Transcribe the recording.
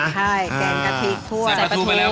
ใช่แกงกะทิทั่ว